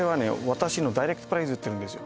私のダイレクトプライスで売ってるんですよ